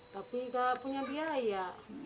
tapi gak punya biaya